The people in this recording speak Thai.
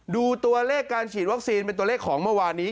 ดูตัวเลขการฉีดวัคซีนเป็นตัวเลขของเมื่อวานนี้